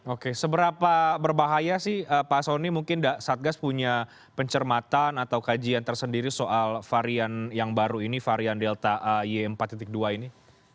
oke seberapa berbahaya sih pak soni mungkin satgas punya pencermatan atau kajian tersendiri soal varian yang baru ini varian delta y empat dua ini